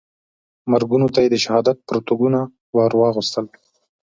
مرګونو ته یې د شهادت پرتګونه وراغوستل.